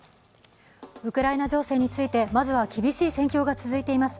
ウクライナ情勢についてまずは厳しい戦況が続いています